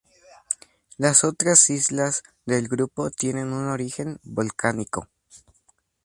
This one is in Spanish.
Las otras islas del grupo tienen un origen volcánico.